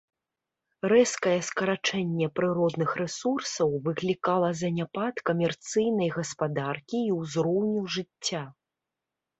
Рэзкае скарачэнне прыродных рэсурсаў выклікала заняпад камерцыйнай гаспадаркі і ўзроўню жыцця.